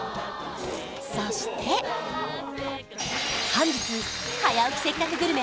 そして本日「早起きせっかくグルメ！！」